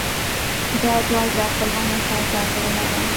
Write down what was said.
دا ځواک د عقلمن انسان ځانګړنه ده.